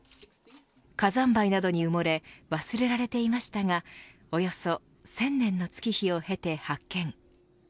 火山灰などに埋もれ忘れられていましたがおよそ１０００年の月日を経て発見。